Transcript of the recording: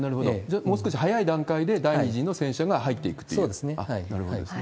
じゃあ、早い段階で第２陣の戦車が入っていくといそうですね。